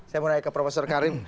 saya mau naik ke prof karim